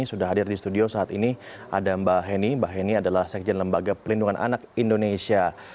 sudah hadir di studio saat ini ada mbak heni mbak heni adalah sekjen lembaga pelindungan anak indonesia